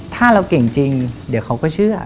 ถ้าเราเก่งจริงเดี๋ยวเขาก็เชื่อ